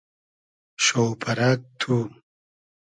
شۆپئرئگ تو